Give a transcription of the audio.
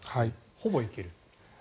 ほぼ行ける？